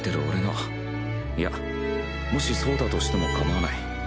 いやもしそうだとしてもかまわない。